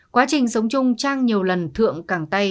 quá trình sống chung trang nhiều lần thượng càng tay